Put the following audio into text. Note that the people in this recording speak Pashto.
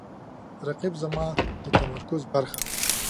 رقیب زما د تمرکز برخه ده